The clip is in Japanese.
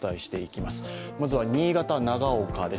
まずは新潟長岡です。